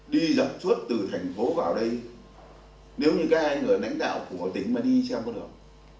đi dọc suốt từ thành phố vào đây nếu như các anh người đánh đạo của tỉnh mà đi xem có được